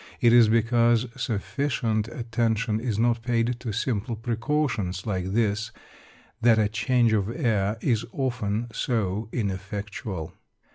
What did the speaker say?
It is because sufficient attention is not paid to simple precautions like this that a change of air is often so ineffectual.